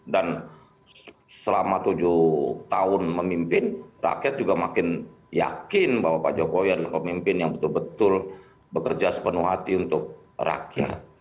dan selama tujuh tahun memimpin rakyat juga makin yakin bahwa pak jokowi adalah pemimpin yang betul betul bekerja sepenuh hati untuk rakyat